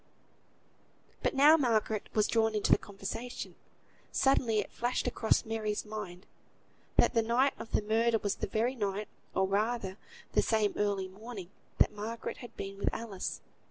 But now Margaret was drawn into the conversation. Suddenly it flashed across Mary's mind, that the night of the murder was the very night, or rather the same early morning, that Margaret had been with Alice.